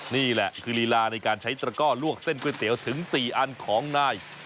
นี่แหละคือลีลาในการใช้ตระก้อลวกเส้นก๋วยเตี๋ยวถึง๔อันของนาย